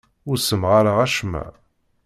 Ur ssemɣareɣ acemma.